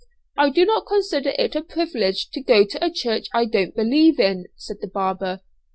'I do not consider it a privilege to go to a church I don't believe in,' said the barber.